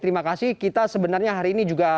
terima kasih kita sebenarnya hari ini juga